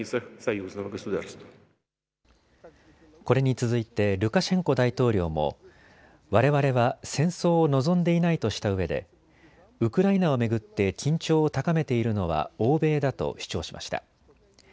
これに続いてルカシェンコ大統領もわれわれは戦争を望んでいないとしたうえでウクライナを巡って緊張を高めているのは欧米だと主張しました。